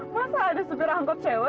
masa ada sepi rangkap cewek